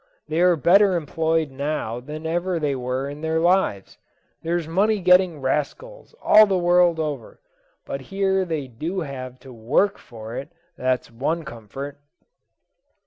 they are better employed now than ever they were in their lives. They're money getting rascals all the world over; but here they do have to work for it, that's one comfort."